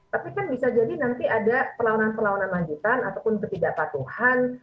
tapi kan bisa jadi nanti ada perlawanan perlawanan lanjutan ataupun ketidakpatuhan